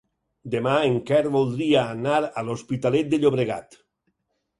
Demà en Quer voldria anar a l'Hospitalet de Llobregat.